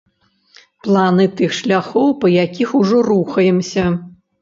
Планы тых шляхоў, па якіх ужо рухаемся.